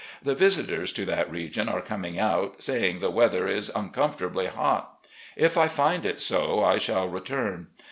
The visitors to that region are coming out, saying the weather is uncomfortably hot. If I find it so, I shall return.